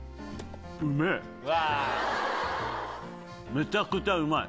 めちゃくちゃうまい。